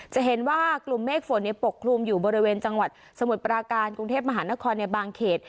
จะเห็นว่ากลุ่มเมฆฝนปกคลุมอยู่บริเวณจังหวัดสมุทรปราการกรุงเทพมหานครในบางเขต